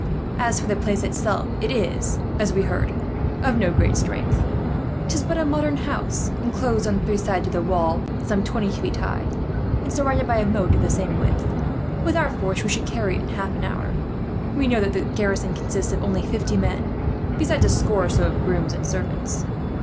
"As for the place itself, it is, as we heard, of no great strength. 'Tis but a modern house, inclosed on three sides with a wall some twenty feet high, and surrounded by a moat of the same width. With our force we should carry it in half an hour. We know that the garrison consists of only fifty men, besides a score or so of grooms and servants."